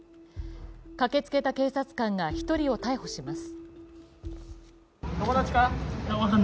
駆けつけた警察官が１人を逮捕します。